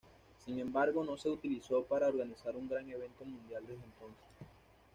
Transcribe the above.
Sin embargo, no se utilizó para organizar un gran evento mundial desde entonces.